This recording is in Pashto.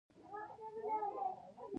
د سارې مینه مې له زړه نه جدا کړې ده.